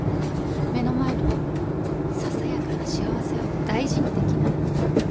目の前のささやかな幸せを大事にできない。